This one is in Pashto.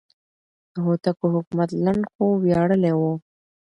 د هوتکو حکومت لنډ خو ویاړلی و.